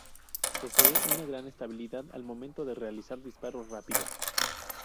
Posee una gran estabilidad al momento de realizar disparos rápidos.